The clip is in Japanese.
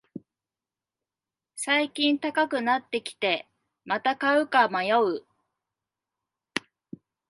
最近高くなってきて、また買うか迷う